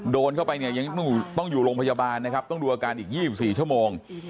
โดนเข้าไปเนี่ยยังต้องอยู่โรงพยาบาลนะครับต้องดูอาการอีก๒๔ชั่วโมง